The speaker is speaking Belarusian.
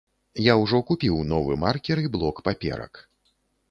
Я ўжо купіў новы маркер і блок паперак.